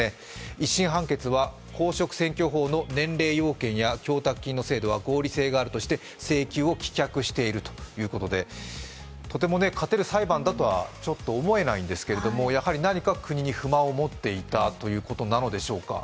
１審判決は公職選挙法の年齢要件や供託金の制度は合理性があるとして、請求を棄却しているということで、とても勝てる裁判だとはちょっと思えないんですけど、何か国に不満を持っていたということなのでしょうか。